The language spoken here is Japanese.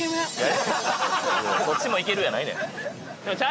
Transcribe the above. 「こっちもいける」やないねん。